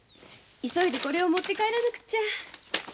急いでこれを持って帰らなくちゃ。